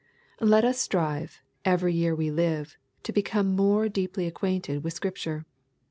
Let us strive, every year we live, to become more deeply acquainted with Scripture.